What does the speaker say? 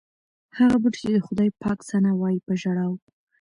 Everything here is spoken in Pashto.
هغه بوټي چې د خدای پاک ثنا وایي په ژړا و.